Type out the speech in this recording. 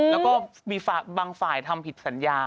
แล้วก็มีบางฝ่ายทำผิดสัญญา